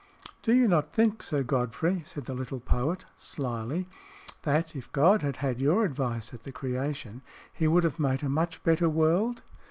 "Do you not think, Sir Godfrey," said the little poet, slily, "that, if God had had your advice at the creation, he would have made a much better world?"